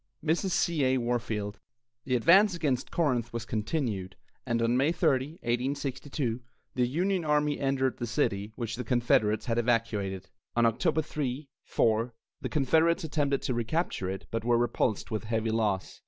MRS. C. A. WARFIELD. The advance against Corinth was continued, and on May 30, 1862, the Union army entered the city, which the Confederates had evacuated. On October 3, 4, the Confederates attempted to recapture it, but were repulsed with heavy loss.